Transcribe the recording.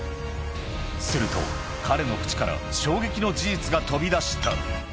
すると彼の口から衝撃の事実が飛び出した。